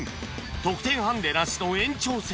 得点ハンデなしの延長戦へ